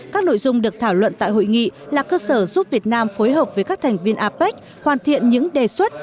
các nội dung được thảo luận tại hội nghị là cơ sở giúp việt nam phối hợp với các thành viên apec hoàn thiện những đề xuất